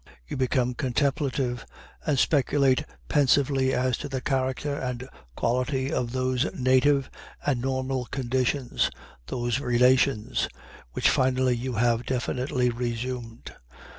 You become contemplative, and speculate pensively as to the character and quality of those native and normal conditions, those Relations, which finally you have definitely resumed.